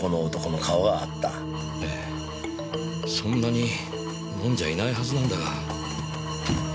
そんなに飲んじゃいないはずなんだが。